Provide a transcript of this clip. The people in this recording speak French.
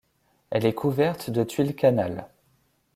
Elle est couverte de tuiles canal.